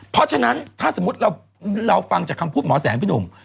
เพราะฉะนั้นถ้าสมมุติเราฟังจากคำพูดหมอแสงพี่หนุ่ม